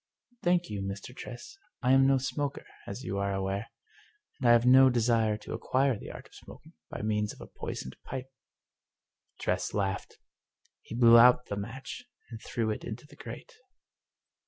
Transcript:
" Thank you, Mr. Tress, I am no smoker, as you are aware. And I have no desire to acquire the art of smoking by means of a poisoned pipe." Tress laughed. He blew out the match and threw it into the grate.